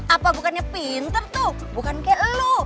apa bukannya pinter tuh bukan kayak lu